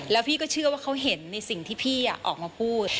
แล้วพี่ก็เชื่อว่าเขาเห็นในสิ่งที่พี่ออกมาพูด